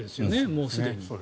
もうすでに。